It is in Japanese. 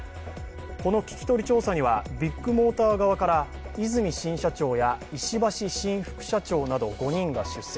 この聞き取り調査には、ビッグモーター側から和泉新社長や石橋新副社長など５人が出席。